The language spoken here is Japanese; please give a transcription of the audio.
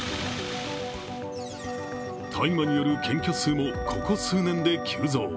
大麻による検挙数も、ここ数年で急増。